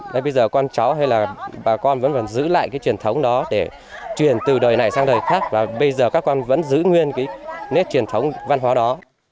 đấy bây giờ con cháu hay là bà con vẫn còn giữ lại cái truyền thống đó để truyền từ đời này sang đời khác và bây giờ các con vẫn giữ nguyên cái nét truyền thống văn hóa đó